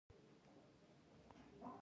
زه له بدو عادتو ځان ساتم.